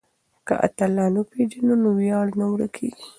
که اتلان وپېژنو نو ویاړ نه ورکيږي.